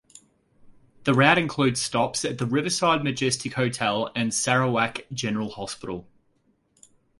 The route includes stops at the Riverside Majestic Hotel and Sarawak General Hospital.